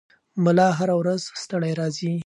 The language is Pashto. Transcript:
ملا هره ورځ ستړی راځي.